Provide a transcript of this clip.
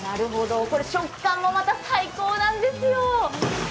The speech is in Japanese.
これ食感もまた最高なんですよ。